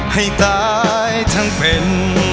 ให้ตายทั้งเป็น